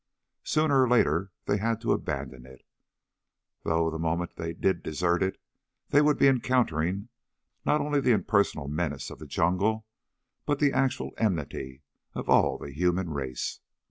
Sooner or later they had to abandon it, though the moment they did desert it they would be encountering not only the impersonal menace of the jungle, but the actual enmity of all the human race.